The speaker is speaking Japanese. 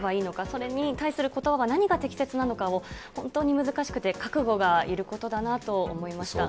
それに対することばは何が適切なのかを、本当に難しくて、覚悟がいることだなと思いました。